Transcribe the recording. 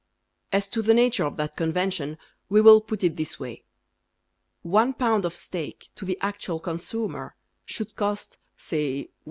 As to the nature of that convention We will put it this way: One pound of steak To the actual consumer Should cost, say, 1s.